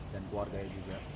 dan keluarga ya juga